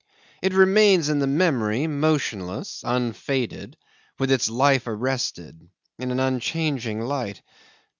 It remains in the memory motionless, unfaded, with its life arrested, in an unchanging light.